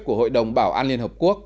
của hội đồng bảo an liên hợp quốc